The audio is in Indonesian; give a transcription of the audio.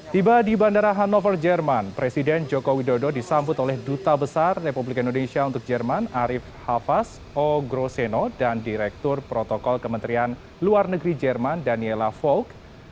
tiba di bandara hannover jerman presiden joko widodo disambut oleh duta besar republik indonesia untuk jerman arief hafaz o groceno dan direktur protokol kementerian luar negeri jerman daniela volk